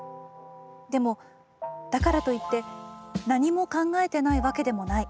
でもだからといって何も考えてないわけでもない」。